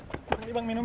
yang tadi aja tisna imut